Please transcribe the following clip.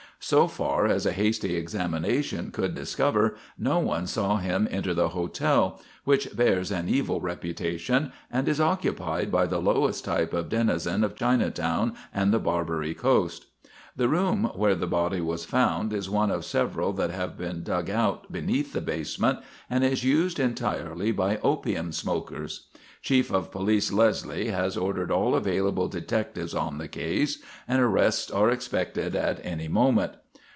"So far as a hasty examination could discover no one saw him enter the hotel, which bears an evil reputation and is occupied by the lowest type of denizen of Chinatown and the Barbary Coast. "The room where the body was found is one of several that have been dug out beneath the basement and is used entirely by opium smokers. "Chief of Police Leslie has ordered all available detectives on the case and arrests are expected at any moment."